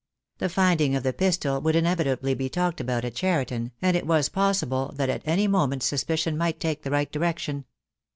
The finding of the pistol would inevitably be talked about at Cheriton, and it was possible that at any moment suspicion might take the right direction.